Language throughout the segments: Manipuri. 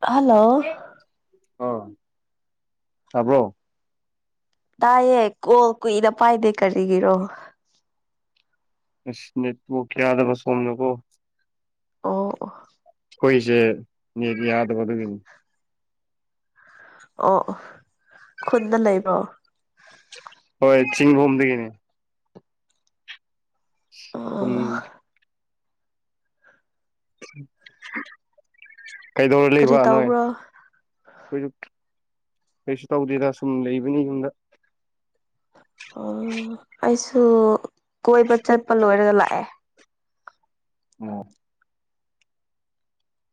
ꯍꯜꯂꯣ ꯑ ꯇꯥꯕ꯭ꯔꯣ ꯇꯥꯏꯌꯦ ꯀꯣꯜ ꯀꯨꯏꯅ ꯄꯥꯏꯗꯦ ꯀꯔꯤꯒꯤꯔꯣ ꯑꯁꯅꯦ ꯇꯕꯨ ꯀꯌꯥꯗꯕ ꯁꯣꯝꯅꯕꯣ ꯑꯣ ꯑꯩꯈꯣꯏꯁꯦ ꯅꯦꯠ ꯌꯥꯗꯕ ꯑꯗꯨꯒꯤꯅꯤ ꯑꯣ ꯑꯣ ꯈꯨꯟꯗ ꯂꯩꯕ꯭ꯔꯣ ꯍꯣꯏ ꯆꯤꯡꯕꯣꯝꯗꯒꯤꯅꯤ ꯑꯣ ꯎꯝ ꯀꯩꯗꯧꯔ ꯀꯔꯤ ꯂꯩꯕ ꯅꯣꯏ ꯇꯧꯕ꯭ꯔꯣ ꯑꯩꯈꯣꯏꯁꯨ ꯀꯩꯁꯨ ꯇꯧꯗꯦꯗ ꯁꯨꯝ ꯂꯩꯕꯅꯤ ꯌꯨꯝꯗ ꯑꯣ ꯑꯩꯁꯨ ꯀꯣꯏꯕ ꯆꯠꯄ ꯂꯣꯏꯔꯒ ꯂꯥꯛꯑꯦ ꯎꯝ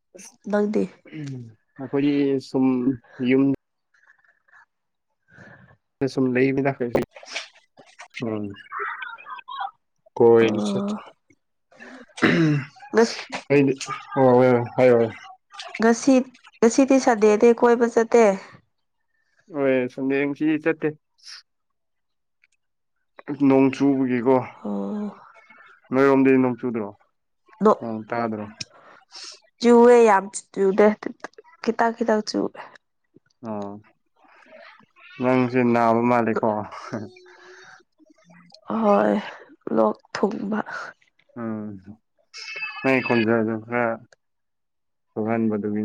[unintelligible] ꯅꯪꯗꯦ ꯎ ꯑꯩꯈꯣꯏꯒꯤ ꯁꯨꯝ ꯌꯨꯝ ꯁꯨꯝ ꯂꯩꯕꯤ ꯗꯣꯏꯁꯤ ꯎꯝ ꯀꯣꯏ ꯆ ꯑꯣ ꯉꯁꯤ ꯑꯩꯗꯤ ꯑ ꯍꯣꯏ ꯍꯥꯏꯌꯣ ꯍꯥꯏ ꯉꯁꯤ ꯉꯁꯤꯗꯤ ꯁꯟꯗꯦꯗꯤ ꯀꯣꯏꯕ ꯆꯠꯇꯦ ꯍ ꯁꯟꯗꯦꯁꯤꯗꯤ ꯆꯠꯇꯦ ꯅꯣꯡ ꯆꯨꯕꯒꯤꯀꯣ ꯑꯣ ꯅꯣꯏꯔꯣꯝꯗꯤ ꯅꯣꯡ ꯆꯨꯗ꯭ꯔꯣ ꯅꯣ ꯎ ꯇꯗ꯭ꯔꯣ ꯆꯨꯋꯦ ꯌꯥꯝ ꯆꯨꯗꯦ ꯈꯤꯇꯪ ꯈꯤꯇꯪ ꯆꯨꯑꯦ ꯑꯣ ꯅꯪꯁꯦ ꯅꯥꯕ ꯃꯥꯜꯂꯤꯀꯣ ꯍꯣꯏ ꯂꯣꯛ ꯊꯨꯡꯕ ꯎꯝ ꯅꯪꯒꯤ ꯈꯣꯟꯖꯦꯜ ꯈ꯭ꯔ ꯊꯕꯥꯟ ꯃꯗꯨꯒꯤ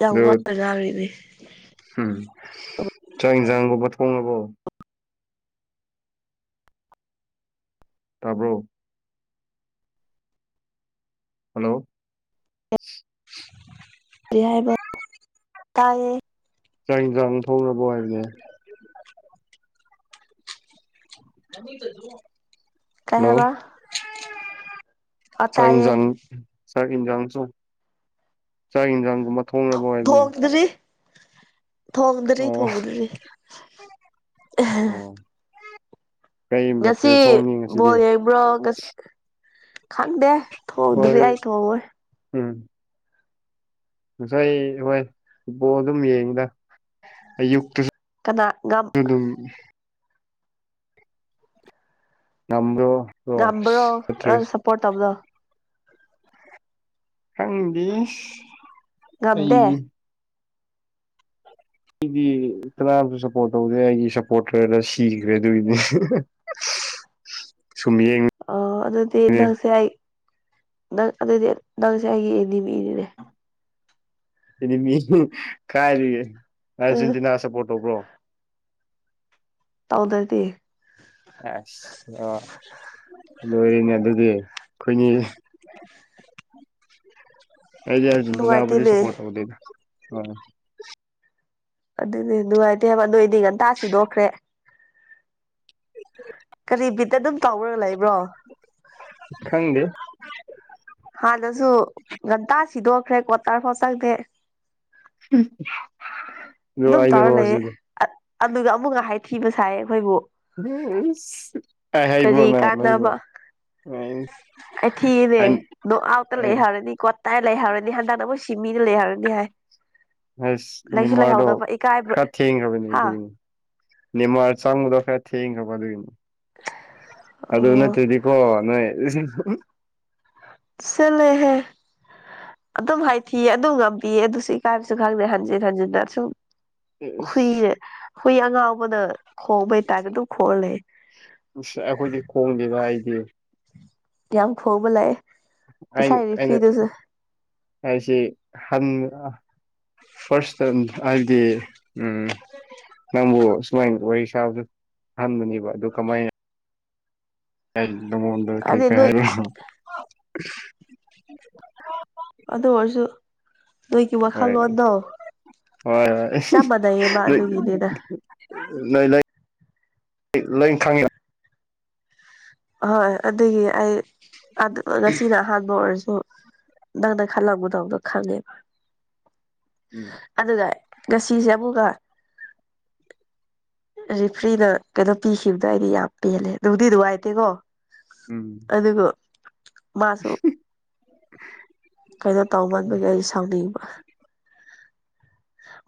ꯌꯥꯝ ꯑꯗꯨ ꯋꯥꯕꯖꯥꯔꯤꯅꯦ ꯎꯝ ꯆꯤꯡꯖꯥꯡꯒꯣꯕ ꯊꯣꯡꯉꯕꯣ ꯇꯥꯕ꯭ꯔꯣ ꯍꯜꯂꯣ ꯔꯤ ꯍꯥꯏꯕ ꯇꯥꯏꯌꯦ ꯆꯥꯛ ꯌꯦꯟꯖꯥꯡ ꯊꯣꯡꯉꯕꯣ ꯍꯥꯏꯕꯅꯦ ꯑꯃꯤꯇ ꯀꯥꯏ ꯍꯕ ꯆꯥꯛ ꯇꯥꯏꯌꯦ ꯌꯦꯟꯁꯥꯡ ꯆꯥꯛ ꯌꯦꯟꯁꯥꯡꯁꯨ ꯆꯥꯛ ꯌꯦꯟꯁꯥꯡꯒꯨꯝꯕ ꯊꯣꯡꯅꯕ ꯍꯥꯏꯅꯦ ꯊꯣꯡꯔꯤ ꯊꯣꯡꯗ꯭ꯔꯤ ꯑꯣ ꯊꯣꯡꯗ꯭ꯔꯤ ꯑꯣ ꯀꯩ ꯉꯁꯤ ꯃꯊꯦꯜ ꯊꯣꯡꯅꯤ ꯉꯁꯤꯗꯤ ꯕꯣꯜ ꯌꯦꯡꯕ꯭ꯔꯣ ꯉꯁꯤ ꯈꯪꯗꯦ ꯊꯣꯡꯎꯗ꯭ꯔꯤ ꯍꯣꯏ ꯑꯩ ꯊꯣꯡꯉꯣꯏ ꯎꯝ ꯉꯁꯥꯏ ꯑꯩ ꯍꯣꯏ ꯐꯨꯠꯕꯣꯜ ꯑꯗꯨꯝ ꯌꯦꯡꯉꯤꯗ ꯑꯌꯨꯛꯇꯨꯁꯨ ꯀꯅꯥꯒ ꯎꯝ ꯎꯝ ꯅꯝꯕ꯭ꯔꯣ ꯉꯝꯕ꯭ꯔꯣ ꯅ ꯁꯞꯄꯣꯔꯠ ꯇꯧꯕꯗꯣ ꯈꯪꯗꯤ ꯉꯝꯗꯦ ꯑꯩꯩꯒꯤ ꯑꯩꯗꯤ ꯇꯔꯥꯝꯁꯨ ꯁꯞꯄꯣꯔꯠ ꯇꯧꯗꯦ ꯑꯩꯒꯤ ꯁꯞꯄꯣꯔꯇꯔꯅ ꯁꯤꯈ꯭ꯔꯦ ꯑꯗꯨꯏꯗꯤ ꯁꯨꯝ ꯌꯦꯡ ꯑꯣ ꯑꯗꯨꯗꯤ ꯅꯪꯁꯦ ꯑꯩ ꯅꯪ ꯑꯗꯨꯗꯤ ꯅꯪꯁꯦ ꯑꯩꯒꯤ ꯑꯦꯅꯤꯃꯤꯅꯤꯅꯦ ꯏꯅꯤ ꯃꯤ ꯀꯥꯏꯔꯦ ꯑ ꯑꯥꯔꯖꯦꯟꯇꯤꯅꯥ ꯁꯞꯄꯣꯔꯠ ꯇꯧꯕ꯭ꯔꯣ ꯇꯧꯗ꯭ꯔꯦꯗ ꯑꯁ ꯂꯣꯏꯔꯤꯅꯦ ꯑꯗꯨꯒꯤ ꯑꯩꯈꯣꯏꯅꯤ [inaudible] ꯑꯩꯗꯤꯁꯤ ꯅꯕꯨꯖ ꯅꯨꯡꯉꯥꯏꯇꯦꯅꯦ ꯁꯄꯣꯗ ꯑꯗꯨꯗꯤ ꯅꯨꯡꯉꯥꯏꯇꯦ ꯍꯥꯏꯕ ꯅꯣꯏꯗꯤ ꯉꯟꯇꯥ ꯁꯤꯗꯣꯛꯈ꯭ꯔꯦ ꯑꯗꯨ [unintelligible] ꯀꯔꯤ ꯕꯤꯠꯇ ꯑꯗꯨꯝ ꯇꯧꯔꯒ ꯂꯩꯕ꯭ꯔꯣ ꯈꯪꯗꯤ ꯍꯥꯟꯅꯁꯨ ꯉꯟꯇꯥ ꯁꯤꯗꯣꯛꯈ꯭ꯔꯦ ꯀ꯭ꯋꯥꯇꯔ ꯐꯥꯎꯠ ꯆꯪꯗꯦ ꯑꯗꯨꯣ ꯑꯗꯨꯝ ꯑꯅꯔꯣ ꯇꯧꯔ ꯂꯩꯌꯦ ꯍꯧꯖꯤꯛ ꯑꯗꯨ ꯑꯗꯨꯒ ꯑꯃꯨꯛꯒ ꯍꯥꯏꯊꯤꯕ ꯁꯥꯏ ꯑꯩꯈꯣꯏꯕꯨ ꯎꯝ ꯀꯔꯤ ꯀꯥꯟꯅꯕ ꯑꯩ ꯊꯤꯅꯦ ꯅ ꯑꯥꯎ ꯇ ꯂꯩ ꯍꯥꯔꯦꯅꯤ ꯀ ꯇꯥꯏ ꯂꯩꯍꯧꯔꯅꯤ ꯍꯟꯗꯅꯕꯨꯣꯏ ꯁꯤꯃꯤꯅ ꯂꯩꯍꯧꯔꯅꯤ ꯍꯥꯏ ꯑꯁ ꯂꯩꯁꯨ ꯅꯤꯃꯔꯗꯣ ꯂꯩꯍꯧꯗꯕ ꯏꯀꯥꯏꯕ꯭ꯔꯥ ꯈꯔ ꯊꯦꯡꯈ꯭ꯔꯕꯅꯦ ꯍꯥ ꯑꯗꯨꯏꯅꯦ ꯅꯤꯡ ꯆꯪꯗꯣ ꯊꯕ ꯑꯗꯨꯅꯤ ꯑꯗꯨ ꯑꯣ ꯎꯅꯠꯇꯗꯤ ꯀꯣ ꯅꯣꯏ ꯁꯤꯂꯦꯍꯦ ꯑꯗꯨꯝ ꯍꯥꯏꯊꯤꯌꯦ ꯑꯗꯨ ꯉꯝꯕꯤꯌꯦ ꯑꯗꯨꯁꯨ ꯏꯀꯥꯏꯕꯁꯨ ꯈꯪꯗꯦ ꯍꯟꯖꯤꯟ ꯍꯟꯖꯤꯟꯟꯅ ꯁꯨꯝ ꯍꯨꯏꯅꯦ ꯑꯁ ꯍꯨꯏ ꯑꯉꯥꯎꯕꯗ ꯈꯣꯡꯕꯩꯇꯥꯔꯅ ꯑꯗꯨꯝ ꯈꯣꯡ ꯂꯩ ꯑꯩꯈꯣꯏꯗꯤ ꯈꯣꯡꯗꯦꯅ ꯑꯩꯗꯤ ꯌꯥꯝ ꯐꯕ ꯂꯥꯛꯑꯦ ꯑꯩꯅ ꯉꯁꯥꯏ ꯑꯩꯅ ꯔꯤꯐ꯭ꯔꯤꯗꯨꯁꯨ ꯍꯥꯏꯁꯤ ꯍ ꯐꯥꯔꯁꯇ ꯍꯥꯏꯕꯗꯤ ꯅꯪꯕꯨ ꯁꯨꯃꯥꯏꯅ ꯋꯥꯔꯤ ꯁꯥꯕꯗꯨꯟꯕꯅꯦꯕ ꯑꯗꯨ ꯀꯃꯥꯏꯅ ꯑꯦꯗꯃꯗꯔ ꯍꯥꯏꯗꯤ ꯀꯩꯀ ꯅꯣꯏ ꯍꯥꯏ ꯑꯗꯨ ꯑꯣꯏꯔꯁꯨ ꯅꯣꯏꯒꯤ ꯍꯣꯏ ꯋꯥꯈꯜꯂꯣꯟꯗꯣ ꯆꯞ ꯃꯥꯟꯅꯩꯌꯦꯕ ꯑꯗꯨꯒꯤꯅꯤꯅ ꯂꯩꯣꯏ ꯂꯩ ꯂꯩꯣꯏ ꯈꯪꯉꯤ ꯍꯣꯏ ꯑꯗꯨꯒꯤ ꯑꯩ ꯉꯁꯤꯅ ꯑꯍꯥꯟꯕ ꯑꯣꯏꯔꯁꯨ ꯅꯪꯅ ꯈꯜꯂ ꯗꯎꯗꯣ ꯈꯪꯉꯦꯕ ꯎꯝ ꯑꯗꯨꯗ ꯉꯁꯤꯁꯦ ꯑꯃꯨꯛꯀ ꯔꯤꯐ꯭ꯔꯤꯅ ꯀꯩꯅꯣ ꯄꯤꯈꯤꯕꯗꯣꯋꯥꯗꯤ ꯌꯥꯝ ꯄꯦꯜꯂꯦ ꯑꯗꯨꯕꯨꯗꯤ ꯅꯨꯡꯏꯦ ꯀꯣ ꯎꯝ ꯑꯗꯨꯒ ꯃꯥꯁꯨ ꯀꯩꯅꯣ ꯇꯧ ꯃꯟꯕꯒꯤ ꯑꯩ ꯁꯥꯎꯅꯤꯡꯕ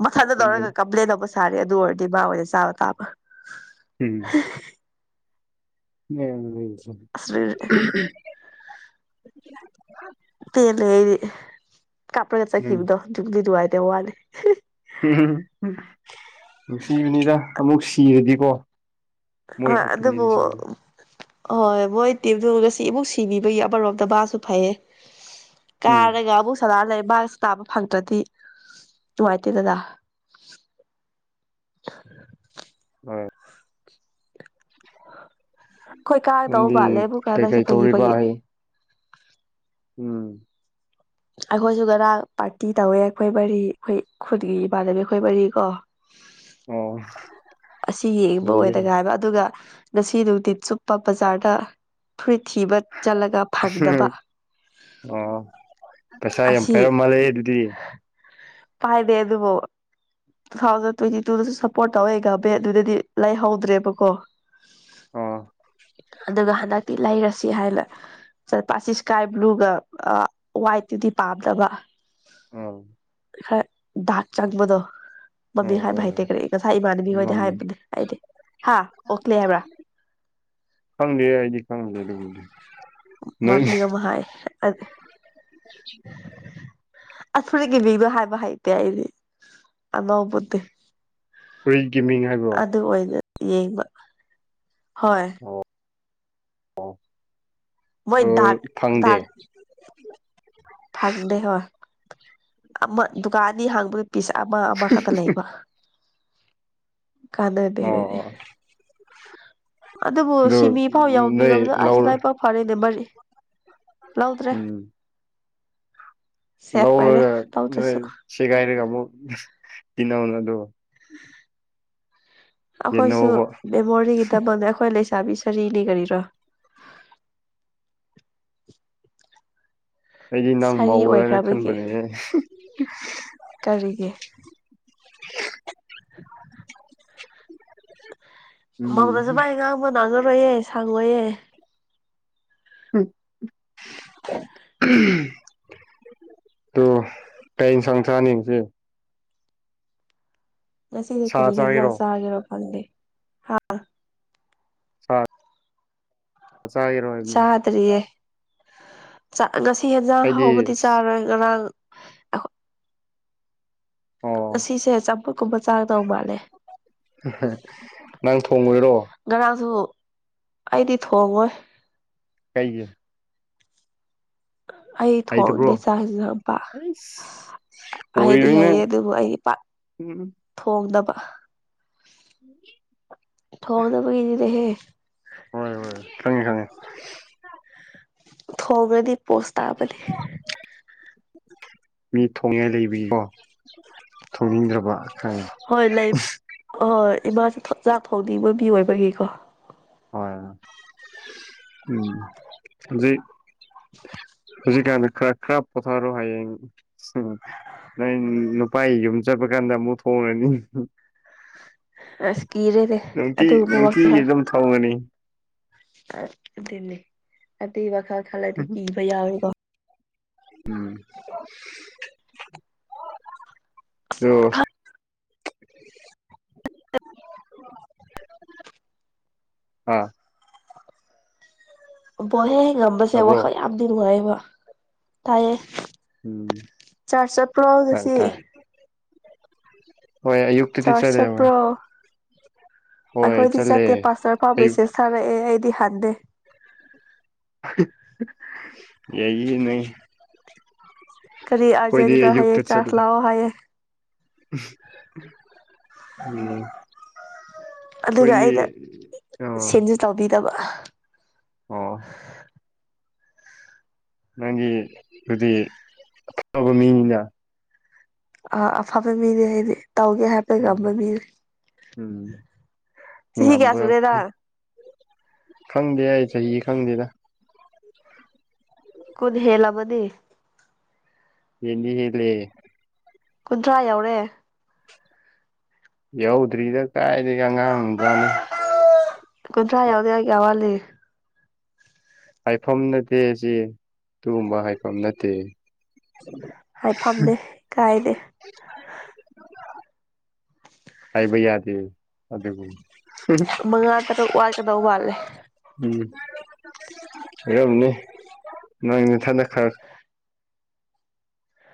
ꯃꯊꯟꯗ ꯇꯧꯔꯒ ꯆꯨꯝꯕꯅꯤ ꯀꯝꯄ꯭ꯂꯦꯟ ꯂꯧꯕ ꯁꯥꯔꯦ ꯑꯗꯨ ꯑꯣꯏꯔꯗꯤ ꯃꯥꯕꯥ ꯍꯣꯏꯁ ꯆꯥꯕ ꯇꯥꯕ ꯎꯝ ꯎꯝ ꯄ ꯂꯩꯗꯤ ꯀꯥꯔ ꯀꯩ ꯆ ꯈꯈꯤꯕꯝꯗꯣ ꯕꯂꯤ ꯋꯥꯥꯏꯗ ꯋꯥꯅꯦ ꯎ ꯅꯨꯡꯁꯤꯕꯅꯤꯗ ꯑꯃꯨꯛ ꯁꯤꯔꯗꯤꯀꯣ ꯃꯣꯏ ꯍꯣꯏ ꯑꯗꯨꯕꯨ ꯑꯣꯄꯤꯅꯤꯌꯟꯁꯤꯡꯗꯣ ꯍꯣꯏ ꯃꯣꯏ ꯇꯦꯗꯨ ꯉꯁꯤ ꯏꯕꯨꯨꯛ ꯁꯤꯕꯤꯕꯒꯤ ꯑꯃꯔꯣꯝꯗ ꯕꯥꯁꯨ ꯐꯩꯌꯦ ꯎꯝ ꯀꯥꯔꯒ ꯑꯃꯕꯨꯛ ꯁꯂꯔ ꯂꯩꯕꯁ ꯇꯥꯕ ꯐꯪꯗ꯭ꯔꯗꯤ ꯅꯨꯡꯉꯥꯏꯇꯦ ꯗꯗꯥ ꯎ ꯑꯩꯈꯣꯏ ꯀꯥꯒꯗꯧ ꯅꯪꯗꯤ ꯄꯥꯜꯂꯦꯕꯨ ꯀꯩꯀꯩ ꯀꯥꯗꯁꯦ ꯐꯥꯒꯤ ꯇꯧꯔꯤꯕ ꯐꯥꯒꯤ ꯍꯥꯏ ꯎꯝ ꯑꯩꯈꯣꯏꯁꯨ ꯔꯥꯡ ꯄꯥꯔꯇꯤ ꯇꯧꯋꯦ ꯑꯩꯈꯣꯏ ꯃꯔꯤ ꯑꯩꯈꯣꯏ ꯈꯨꯟꯒꯤ ꯏꯃꯥꯟꯅꯕꯤ ꯑꯩꯈꯣꯏ ꯃꯔꯤ ꯀꯣ ꯑꯣ ꯑꯁꯤ ꯌꯦꯡꯕ ꯂꯩꯌꯦ ꯑꯣꯏꯗꯒ ꯍꯥꯏꯕ ꯑꯗꯨꯒ ꯉꯁꯤꯗꯨꯗꯤ ꯆꯨꯞꯄ ꯕꯖꯥꯔꯗ ꯐꯨꯔꯤꯠ ꯊꯤꯕ ꯆꯠꯂꯒ ꯐꯪꯗꯕ ꯍꯝ ꯑꯣ ꯄꯩꯁꯥ ꯌꯥꯝ ꯑꯁꯤ ꯄꯥꯏꯔꯝ ꯃꯥꯜꯂꯦ ꯑꯗꯨꯗꯤ ꯄꯥꯏꯗꯦ ꯑꯗꯨꯕꯨ ꯇꯨ ꯊꯥꯎꯖꯟ ꯇ꯭ꯋꯦꯟꯇꯤ ꯇꯨꯗꯁꯨ ꯁꯞꯄꯣꯔꯠ ꯇꯧꯋꯦ ꯒꯥꯕꯦ ꯑꯗꯨꯗꯗꯤ ꯂꯩꯍꯧꯗ꯭ꯔꯦꯕꯀꯣ ꯑꯣ ꯑꯗꯨꯒ ꯍꯟꯗꯛꯇꯤ ꯂꯩꯔꯁꯤ ꯍꯥꯏꯅ ꯆꯠꯄꯁꯤ ꯏꯁꯀꯥꯏ ꯕ꯭ꯂꯨꯒ ꯑ ꯋꯥꯏꯠꯇꯨꯗꯤ ꯄꯥꯝꯗꯕ ꯑꯥ ꯗꯥꯛ ꯆ ꯃꯗ ꯃꯃꯤꯡ ꯑꯣ ꯍꯥꯏꯕ ꯍꯣꯏ ꯍꯣꯏ ꯍꯥꯏꯇꯦ ꯀꯔꯤ ꯉꯁꯥꯏ ꯏꯃꯥꯟꯅꯕꯤ ꯍꯣꯏꯗꯤ ꯃꯝꯕꯗꯣ ꯍꯥꯏꯕꯅꯦ ꯑꯩꯗꯤ ꯍꯥ ꯑꯣꯛꯂꯦ ꯍꯥꯏꯕ꯭ꯔꯥ ꯈꯪꯗꯦ ꯑꯩꯗꯤ ꯈꯪꯗꯦ ꯂ ꯃꯕꯤ ꯑꯃ ꯍꯥꯏ ꯑꯐꯔꯤꯀꯤ ꯃꯤꯡꯗꯣ ꯍꯥꯏꯕ ꯍꯩꯇꯦ ꯑꯩꯗꯤ ꯑꯅꯧꯕꯗꯤ ꯄꯔꯤꯜꯒꯤ ꯃꯤꯡ ꯍꯥꯏꯕ꯭ꯔꯣ ꯑꯗꯨ ꯑꯣꯏꯅ ꯌꯦꯡꯕ ꯍꯣꯏ ꯑꯣ ꯃꯣꯏ ꯑꯣ ꯗꯥꯛ ꯐꯪꯗꯦ ꯗꯥꯛ ꯐꯪꯗꯦ ꯍꯣꯏ ꯑꯃ ꯗꯨꯀꯥꯟ ꯑꯅꯤ ꯍꯥꯡꯕ ꯄꯤꯁ ꯑꯃ ꯑꯃꯈꯛꯇ ꯂꯩꯕ ꯀꯥꯟꯅꯗꯦ ꯑꯣ ꯗꯨꯗꯤ ꯑꯣ ꯑꯗꯨꯕꯨ ꯑꯗꯨ ꯁꯤꯃꯤ ꯐꯥꯎ ꯅꯣꯏ ꯌꯥꯎꯕꯤꯔꯕꯗ ꯑꯁ ꯂꯧꯔ ꯂꯥꯏꯕꯥꯛ ꯐꯔꯦꯅꯦ ꯃꯔꯤ ꯂꯧꯗ꯭ꯔꯦ ꯎꯝ ꯁꯦꯐ ꯑꯣꯏꯔꯦ ꯂꯧꯔꯒ ꯅꯣꯏ ꯂꯧꯗ꯭ꯔꯁꯨ ꯁꯦꯒꯥꯏꯔꯒ ꯑꯃꯨꯛ ꯇꯤꯟꯅꯧꯅ ꯑꯗꯨ ꯑꯈꯣꯏꯁꯨ ꯌꯦꯟꯅꯧꯕ ꯃꯦꯃꯣꯔꯤꯒꯤꯗꯃꯛ ꯑꯩꯈꯣꯏ ꯂꯩꯁꯥꯕꯤ ꯁꯔꯤꯅꯤ ꯀꯔꯤꯔꯣ ꯑꯩꯗꯤ ꯅꯪ ꯃꯧ ꯁꯥꯔꯤ ꯑꯣꯏꯔꯦꯅ ꯑꯣꯏꯈ꯭ꯔꯕꯒꯤ ꯈꯟꯕꯅꯤꯅꯦ ꯀꯔꯤꯒꯤ ꯎꯝ ꯃꯧꯗꯁꯨ ꯃꯥꯏ ꯉꯥꯡꯕ ꯉꯥꯡꯅꯔꯣꯏꯌꯦ ꯁꯥꯡꯉꯣꯏꯌꯦ ꯍꯝ ꯑꯗꯨ ꯀꯩ ꯏꯟꯁꯥꯡ ꯆꯅꯤ ꯉꯥꯁꯦ ꯉꯁꯤꯗꯤ ꯁꯥ ꯀꯔꯤ ꯆꯥꯒꯦꯔꯣ ꯍꯖꯁꯒꯔꯣꯀꯥꯡꯦ ꯍꯥ ꯆꯔ ꯠꯇ꯭ꯔꯤꯌꯦ ꯉꯁꯤ ꯌꯦꯟꯖꯥꯡ ꯑꯩꯗꯤ ꯍꯧꯕꯗꯤ ꯆꯥꯔꯣꯏ ꯉꯔꯥꯡ ꯑꯣ ꯉꯁꯦ ꯆꯝꯄꯨꯛꯀꯨꯝꯕ ꯆꯥꯗꯧ ꯃꯥꯜꯂꯦ ꯅꯪ ꯊꯣꯡꯉꯨꯔꯔꯣ ꯉꯔꯥꯡꯁꯨ ꯑꯩꯗꯤ ꯊꯣꯡꯉꯣꯏ ꯀꯩꯒꯤ ꯑꯩ ꯊꯣꯡꯗꯦ ꯍꯩꯇꯕ꯭ꯔꯣ ꯆꯥꯛ ꯏꯟꯖꯥꯡ ꯄꯥꯛ ꯑꯩꯁ ꯍꯩꯗꯤ ꯑꯣꯏꯔꯣꯏꯅꯦ ꯍꯩꯌꯦ ꯑꯗꯨ ꯑꯩ ꯄꯥꯛ ꯎꯝ ꯊꯣꯡꯀꯗꯕ ꯊꯣꯡꯀꯗꯕꯒꯤꯖꯤꯦ ꯍ ꯍꯣꯏ ꯍꯣꯏꯣꯏ ꯈꯪꯉꯦ ꯈꯪꯉꯦ ꯊꯣꯡꯉꯗꯤ ꯄꯣꯁ ꯇꯥꯕꯅꯤ ꯃꯤ ꯊꯣꯡꯉꯥꯏ ꯂꯩꯕꯒꯤꯀꯣ ꯊꯣꯡꯅꯤꯡꯗ꯭ꯔꯕ ꯈꯪꯉꯦ ꯍꯣꯏ ꯂꯩ ꯑꯣꯏ ꯏꯃꯥꯁꯨꯦ ꯆꯥꯛ ꯊꯣꯡꯅꯤꯡꯕ ꯃꯤ ꯑꯣꯏꯕꯒꯤꯀꯣ ꯍꯣꯏ ꯎꯝ ꯍꯧꯖꯤꯛ ꯍꯧꯖꯤꯛ ꯀꯥꯟ ꯈꯔ ꯈꯔ ꯄꯥꯊꯥꯔꯣ ꯍꯌꯦꯡ ꯅꯪ ꯅꯨꯄꯥ ꯌꯨꯝ ꯆꯠꯄ ꯀꯥꯟꯗ ꯑꯃꯨꯛ ꯊꯣꯡꯉꯅꯤ ꯑꯁ ꯀꯤꯔꯦꯅꯦ ꯅꯨꯡꯇꯤ ꯑꯗꯨꯒꯨꯝꯕ ꯅꯨꯡꯇꯤꯒꯤ ꯋꯥꯈꯜ ꯑꯗꯨꯝ ꯊꯣꯡꯒꯅꯤ ꯑꯗꯨꯅꯤ ꯑꯗꯨꯏ ꯋꯥꯈꯜ ꯈꯟꯂꯗꯤ ꯀꯤꯕ ꯌꯥꯎꯋꯤꯀꯣ ꯎꯝ ꯑꯣ [unintelligible] [unintelligible] ꯑꯥ ꯕꯣꯜ ꯍꯦꯛ ꯉꯝꯕꯁꯦ ꯇꯥꯕ꯭ꯔꯣ ꯋꯥꯈꯜ ꯌꯥꯝꯗꯤ ꯅꯨꯡꯉꯥꯏꯕ ꯇꯥꯏꯌꯦ ꯎꯝ ꯆꯥꯔ꯭ꯆ ꯆꯠꯄ꯭ꯔꯣ ꯇꯥꯏ ꯉꯁꯤ ꯇꯥꯏ ꯍꯣꯏ ꯑꯌꯨꯛ ꯆꯥꯔꯖ ꯆꯠꯄ꯭ꯔꯣ ꯍꯣꯏ ꯑꯩꯈꯣꯏꯗꯤ ꯆꯠꯂꯦ ꯆꯠꯇꯦ ꯄꯥꯁꯇꯔ ꯐꯥꯎ ꯑꯌꯨꯛ [unintelligible] [unintelligible] ꯑꯩꯗꯤ ꯍꯟꯗꯦ [unintelligible] ꯌꯥꯏꯌꯦ ꯅꯪ ꯀꯔꯤ ꯑꯩꯈꯣꯏꯗꯤ ꯑꯥꯖꯦꯗꯨꯗ ꯑꯌꯨꯛꯇ ꯍꯥꯏꯑꯌꯦ ꯆꯥꯔꯠ ꯆꯠꯂꯦ ꯂꯥꯛꯑꯣ ꯍꯥꯏꯑꯌꯦ [unintelligible] ꯎꯝ ꯑꯗꯨꯒ ꯑꯩꯈꯣꯏꯗꯤ ꯑꯩꯅ ꯑꯣ ꯁꯦꯟꯁꯨ ꯇꯧꯕꯤꯗꯕ ꯑꯣ ꯅꯪꯒꯤ ꯑꯗꯨꯗꯤ ꯑꯐꯕ ꯃꯤꯅꯤꯅ ꯑ ꯑꯐꯕ ꯃꯤꯗꯤ ꯑꯩꯗꯤ ꯇꯧꯒꯦ ꯍꯥꯏꯕ ꯎꯝ ꯉꯝꯕ ꯃꯤꯅꯦ ꯎꯝ ꯆꯍꯤ ꯀꯌꯥ ꯁꯨꯔꯦ ꯉꯝꯕꯈꯩ ꯅꯪ ꯈꯪꯗꯦ ꯑꯩ ꯆꯍꯤ ꯈꯪꯗꯦꯗ ꯀꯨꯠ ꯍꯦꯟꯂꯝꯃꯅꯤ ꯍꯦꯟꯗꯤ ꯍꯦꯟꯂꯦ ꯀꯨꯟꯊ꯭ꯔꯥ ꯌꯧꯔꯦ ꯌꯧꯗ꯭ꯔꯤꯗ ꯀꯥꯏꯗꯒꯤꯒ ꯑꯉꯥꯡꯃꯖꯥꯠꯅꯤ ꯀꯨꯟꯊ꯭ꯔꯥ ꯌꯥꯎꯗꯧ ꯀꯌꯥꯝ ꯋꯥꯠꯂꯤ ꯍꯥꯏꯐꯝ ꯅꯠꯇꯦ ꯁꯤ ꯑꯗꯨꯒꯨꯝꯕ ꯍꯥꯏꯐꯝ ꯅꯠꯇꯦ ꯍꯥꯏꯐꯝꯅꯤ ꯀꯥꯏꯗꯦ [unintelligible] ꯍꯥꯏꯕ ꯌꯥꯗꯦ ꯑꯗꯨꯕꯨ ꯃꯉꯥ ꯇꯔꯨꯛ ꯋꯥꯠꯀꯗꯧ ꯃꯥꯟꯂꯦ ꯎꯝ ꯍꯥꯏꯔꯝꯅꯦ ꯅꯪ ꯅꯊꯟꯗ ꯈꯔ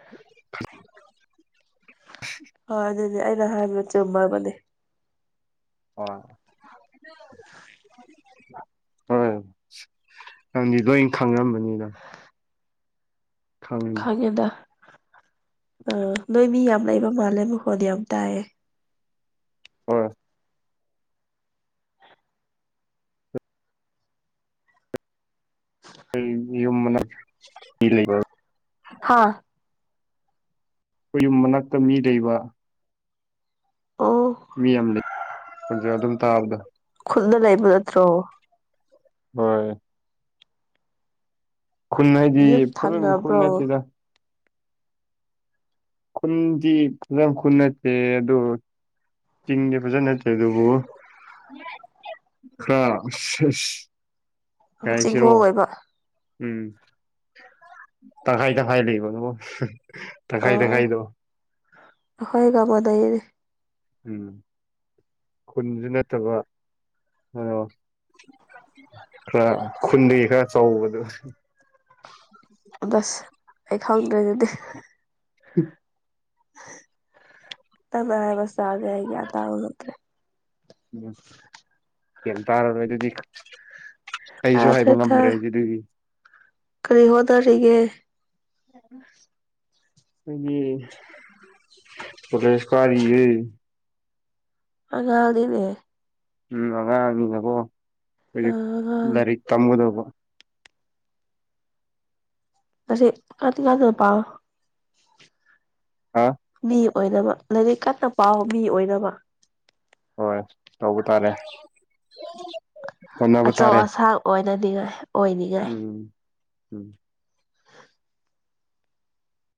[inaudible] ꯍꯣꯏ ꯑꯗꯨꯅꯦ ꯑꯩꯅ ꯍꯥꯏꯕ ꯆꯨꯝꯃꯕꯅꯦ [unintelligible] ꯍꯣꯏ ꯅꯪꯗꯤ ꯂꯣꯏ ꯈꯪꯔꯝꯃꯅꯤꯗꯣ ꯈꯥꯡꯉꯦꯗ ꯑ ꯅꯣꯏ ꯃꯤ ꯌꯥꯝ ꯂꯩꯕ ꯃꯥꯜꯂꯦ ꯃꯈꯣꯟꯗꯤ ꯌꯥꯝ ꯇꯥꯏꯌꯦ ꯍꯣꯏ ꯑꯩꯣꯏ ꯌꯨꯝ ꯃꯅ ꯂꯩꯕ ꯍꯥꯥ ꯑꯩꯈꯣꯏ ꯌꯨꯝ ꯃꯅꯥꯛꯇ ꯃꯤ ꯂꯩꯕ ꯑ ꯃꯤ ꯑꯃ ꯂꯩ ꯑꯗꯨꯝ ꯇꯥꯕꯗ ꯈꯨꯜꯗ ꯂꯩꯕ ꯅꯠꯇ꯭ꯔꯣ ꯍꯣꯏ ꯈꯨꯟ ꯍꯥꯏꯗꯤ ꯌꯨꯝ ꯐꯖꯅ ꯈꯨꯟ ꯊꯪꯅꯕ꯭ꯔꯣ ꯅꯠꯇꯦꯗ ꯈꯨꯟꯗꯤ ꯐꯖ ꯈꯨꯟ ꯅꯠꯇꯦ ꯑꯗꯨ ꯆꯤꯡꯗꯤ ꯐꯖ ꯅꯠꯇꯦ ꯑꯗꯨꯕꯨ ꯈꯔ ꯀꯔꯤ ꯆꯤꯡꯈꯣꯡ ꯍꯥꯢꯁꯤꯔꯣ ꯑꯣꯏꯕ ꯎꯝ ꯇꯈꯥꯏ ꯇꯈꯥꯏ ꯂꯩꯕ ꯅꯧꯕꯣ ꯇꯈꯥꯏ ꯇꯈꯥꯏꯗꯣ ꯑꯩꯈꯣꯏꯒꯃꯣꯗꯗꯤ ꯎꯝ ꯈꯨꯟꯁꯨ ꯅꯠꯇꯕ ꯑ ꯈꯔ ꯈꯨꯟꯗ ꯈꯔ ꯆꯥꯎꯕꯗꯨ ꯁ ꯑꯩ ꯈꯪꯗ꯭ꯔꯦ ꯑꯗꯨꯗꯤ ꯎꯝ [unintelligible] ꯎꯝ ꯀꯤꯝ ꯇꯥꯔꯔꯣ ꯑꯗꯨꯗꯤ ꯀꯩꯁꯨ ꯍꯥꯏꯕ ꯇꯥꯗ꯭ꯔꯦ ꯇꯥ ꯉꯝꯗ꯭ꯔꯦ ꯑꯗꯨ ꯑꯗꯨꯒꯤ ꯀꯔꯤ ꯍꯣꯠꯗꯔꯤꯒꯦ [unintelligible] ꯀꯥꯔꯤꯌꯦ [unintelligible] ꯎꯝ ꯑꯉꯥꯡ ꯑꯅꯤꯅꯀꯣ ꯍꯧꯖꯤꯛ ꯑꯉꯥꯡ ꯂꯥꯏꯔꯤꯛ ꯇꯝꯒꯗꯧꯕ ꯇꯁꯦ ꯀꯗꯤ ꯀꯗ ꯄꯥꯎ ꯍꯥ ꯃꯤ ꯑꯣꯏꯅꯕ ꯂꯥꯏꯔꯤꯛ ꯀꯟꯅ ꯄꯥꯎꯕ ꯃꯤ ꯑꯣꯏꯅꯕ ꯍꯣꯏ ꯇꯧꯕ ꯇꯥꯔꯦ ꯍꯣꯠꯅꯕ ꯑꯆꯧ ꯇꯥꯔꯦ ꯑꯁꯥꯡ ꯑꯣꯏꯅꯗꯤ ꯉꯥꯏ ꯎꯝ ꯎꯝ